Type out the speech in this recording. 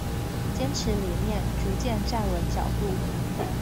堅持理念，逐漸站穩腳步